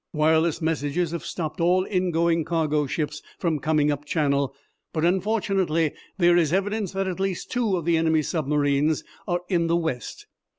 Wireless messages have stopped all ingoing cargo ships from coming up Channel, but unfortunately there is evidence that at least two of the enemy's submarines are in the West.